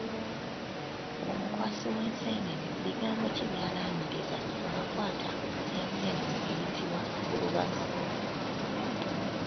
Omukwasi w’enseenene bigambo ki byalamiriza bwakwaata enseenene eyitibwa kulubazzi?